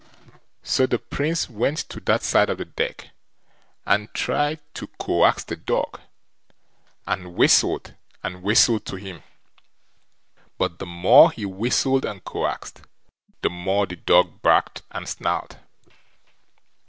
So the Prince went to that side of the deck, and tried to coax the dog, and whistled and whistled to him, but the more he whistled and coaxed, the more the dog barked and snarled.